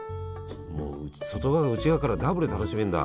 もう外側から内側からダブルで楽しめんだ。